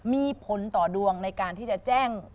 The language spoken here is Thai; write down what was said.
มีผลต่อดวงในการที่จะแจ้ง